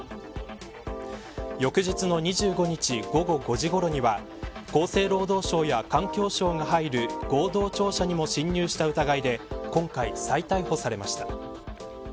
翌日の２５日午後５時ごろには厚生労働省や環境省が入る合同庁舎にも侵入した疑いで今回、再逮捕されました。